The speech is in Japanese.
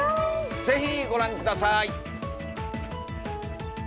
ぜひご覧ください。